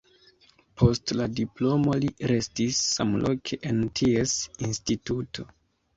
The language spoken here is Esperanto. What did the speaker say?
Post la diplomo li restis samloke en ties instituto.